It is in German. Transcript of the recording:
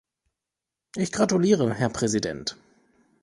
Ich gratuliere, Herr Präsident.